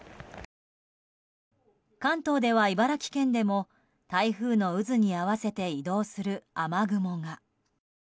関東では茨城県でも台風の渦に合わせて移動する、雨雲が。